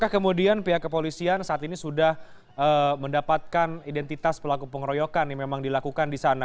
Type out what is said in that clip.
apakah kemudian pihak kepolisian saat ini sudah mendapatkan identitas pelaku pengeroyokan yang memang dilakukan di sana